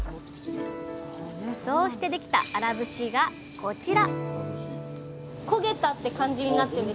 そうしてできた荒節がこちら！